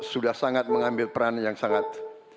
sudah sangat mengambil peran yang sangat